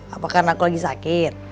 apakah karena aku lagi sakit